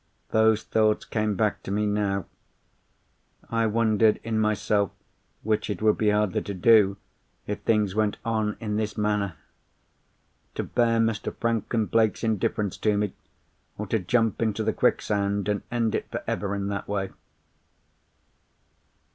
Those thoughts came back to me now. I wondered in myself which it would be harder to do, if things went on in this manner—to bear Mr. Franklin Blake's indifference to me, or to jump into the quicksand and end it for ever in that way?